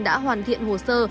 đã hoàn thiện hồ sơ